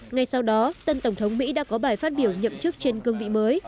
ngay sau đó tân tổng thống mỹ đã có bài phát biểu nhậm chức trên cương vị mới